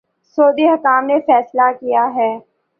سعودی حکام نے فیصلہ کیا ہے